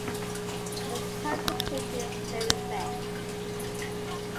Its county seat is Ladysmith.